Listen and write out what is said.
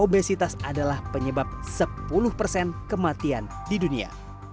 obesitas adalah penyebab sepuluh persen kematian di dunia